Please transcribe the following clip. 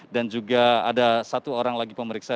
dan juga ada satu orang lagi pemeriksa